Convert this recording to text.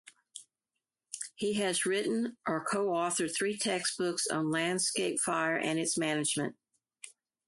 He has written or co-authored three textbooks on landscape fire and its management.